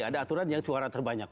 ada aturan yang suara terbanyak